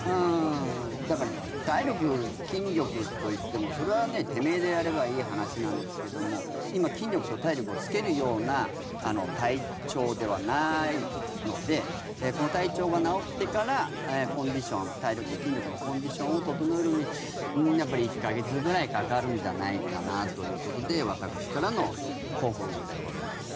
だから体力、筋力といってもそれは、てめえでやればいい話なんですけども今、筋力と体力をつけるような体調ではないのでこの体調が治ってからコンディション体力、筋力のコンディションを整えるのにやっぱり１か月くらいかかるんじゃないかなということで私からの報告でございます。